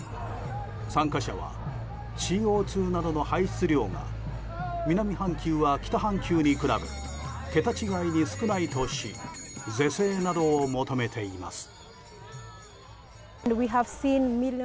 参加者はＣＯ２などの排出量は南半球は北半球に比べ桁違いに少ないとし是正などを求めています。